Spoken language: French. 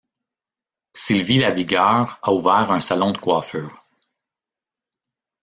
Sylvie Lavigueur a ouvert un salon de coiffure.